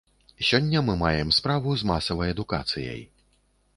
Сёння мы маем справу з масавай адукацыяй.